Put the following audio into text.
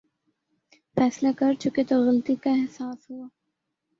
فیصلہ کرچکے تو غلطی کا احساس ہوا۔